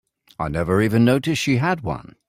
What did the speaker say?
I never even noticed she had one.